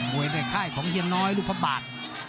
วยในค่ายของเฮียน้อยลูกพระบาท